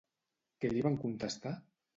Què li van contestar?